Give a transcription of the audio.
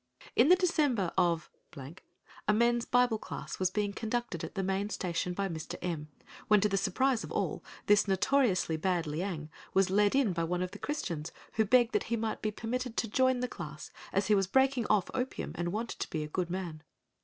In December of —, a Men's Bible Class was being conducted at the main station by Mr. M—— when to the surprise of all, this notoriously bad Liang was led in by one of the Christians who begged that he might be permitted to join the class as he was breaking off opium and wanted to be a good man.